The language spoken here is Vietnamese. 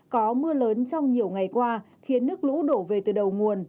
có mưa lớn trong nhiều ngày qua khiến nước lũ đổ về từ đầu nguồn